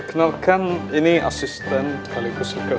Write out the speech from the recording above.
tidak boleh tunggu lama